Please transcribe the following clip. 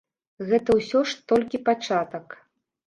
Гэта ўсё ж толькі пачатак.